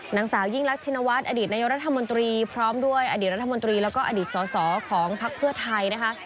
นางสาวยิ่งรักชินวัฒน์อดีตนายกรัฐมนตรีพร้อมด้วยอดีตรัฐมนตรีแล้วก็อดีตสอสอของพักเพื่อไทยนะคะ